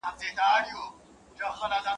پر اسمان ستوری نه لري، پر مځکه غولی.